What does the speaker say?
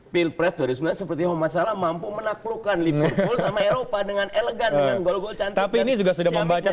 pilpres dua ribu sembilan belas seperti muhammad salah mampu menaklukkan liverpool sama eropa dengan elegan dengan gol gol cantik